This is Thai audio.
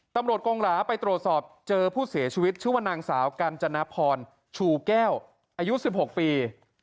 กงหลาไปตรวจสอบเจอผู้เสียชีวิตชื่อว่านางสาวกัญจนพรชูแก้วอายุ๑๖ปี